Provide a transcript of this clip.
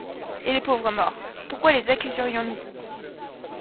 Et les pauvres morts pourquoi les accuserions-nous?